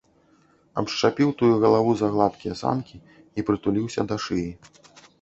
Абшчапіў тую галаву за гладкія санкі і прытуліўся да шыі.